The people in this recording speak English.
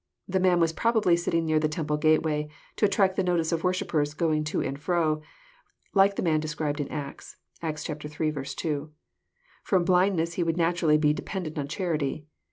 '] The man was probably sitting near the temple gateway, to attract the notice of wor shippers going to and fro, like the man described in Acts. (Acts Hi. 2.) From blindness he would naturally be dependent on charity.